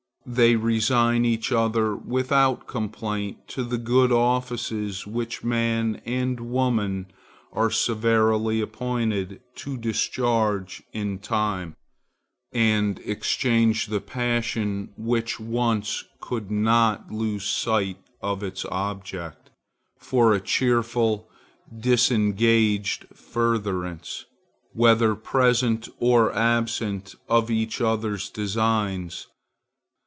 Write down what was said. They resign each other without complaint to the good offices which man and woman are severally appointed to discharge in time, and exchange the passion which once could not lose sight of its object, for a cheerful, disengaged furtherance, whether present or absent, of each other's designs.